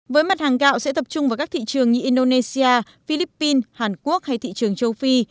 với mặt hàng gạo sẽ tập trung vào các thị trường như indonesia philippines hàn quốc hay thị trường châu phi